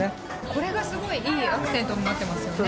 これがすごいいいアクセントになってますよね。